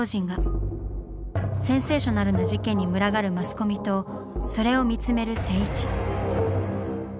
センセーショナルな事件に群がるマスコミとそれを見つめる静一。